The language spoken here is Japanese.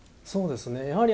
そうですね。